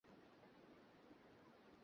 আহ, বাতাসে বিজয়ের ঘ্রান ভাসছে!